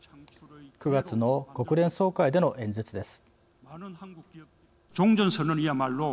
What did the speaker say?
９月の国連総会での演説です。